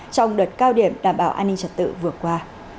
trong đợt cao điểm đảm bảo an ninh trật tự vừa qua